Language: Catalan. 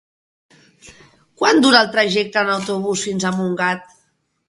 Quant dura el trajecte en autobús fins a Montgat?